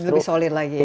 lebih solid lagi ya